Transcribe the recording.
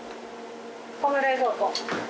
この冷蔵庫。